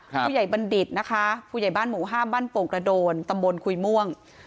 บัณฑิตนะคะผู้ใหญ่บ้านหมู่ห้ามบ้านโป่งกระโดนตำบลคุยม่วง